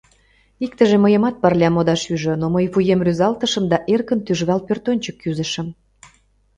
Иктыже мыйымат пырля модаш ӱжӧ, но мый вуем рӱзалтышым да эркын тӱжвал пӧртӧнчык кӱзышым.